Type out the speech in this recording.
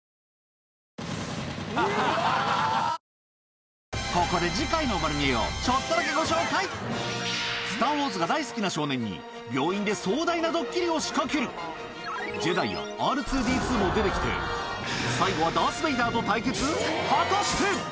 そしていよいよここで次回の『まる見え！』をちょっとだけご紹介『スター・ウォーズ』が大好きな少年に病院で壮大なドッキリを仕掛けるジェダイやＲ２−Ｄ２も出てきて最後はダース・ベイダーと対決⁉果たして！